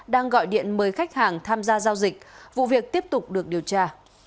đang gọi điện mời khách hàng tham gia giao dịch vụ việc tiếp tục được điều tra